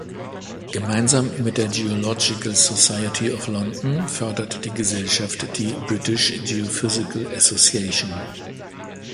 Gemeinsam mit der Geological Society of London fördert die Gesellschaft die British Geophysical Association.